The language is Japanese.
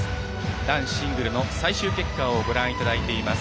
男子シングルの最終結果をご覧いただいています。